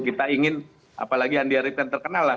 kita ingin apalagi andi arief kan terkenal lah